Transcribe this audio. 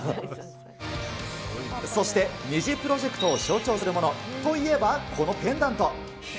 そして、ニジプロジェクトを象徴するものといえば、このペンダント。